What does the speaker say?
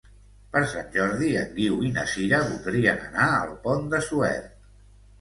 Per Sant Jordi en Guiu i na Sira voldrien anar al Pont de Suert.